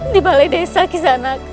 di balai desa kisanak